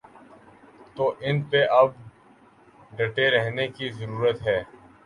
تو ان پہ اب ڈٹے رہنے کی ضرورت ہے۔